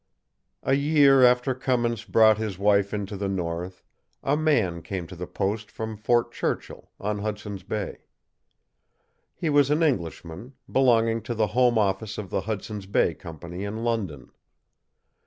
A year after Cummins brought his wife into the North, a man came to the post from Fort Churchill, on Hudson's Bay. He was an Englishman, belonging to the home office of the Hudson's Bay Company in London.